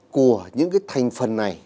của những cái thành phần này